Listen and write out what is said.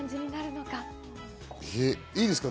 いいですか？